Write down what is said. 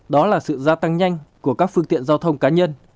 đó là sự gia tăng nhanh của các phương tiện giao thông cá nhân